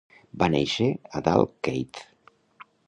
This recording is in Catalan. Va néixer a Dalkeith.